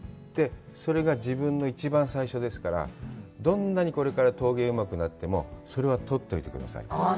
それが自分の一番最初ですから、どんなにこれから陶芸がうまくなってもそれは、とっておいてくださいと。